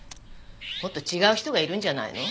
もっと違う人がいるんじゃないの？